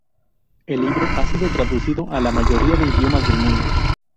El libro ha sido traducido a la mayoría de idiomas del mundo.